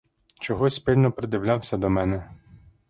Чогось пильно придивлявся до мене.